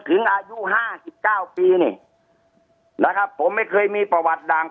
อายุห้าสิบเก้าปีนี่นะครับผมไม่เคยมีประวัติดัง